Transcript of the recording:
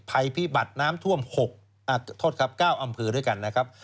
ภัยพิบัตรน้ำท่วม๙อำพือด้วยกันนะครับ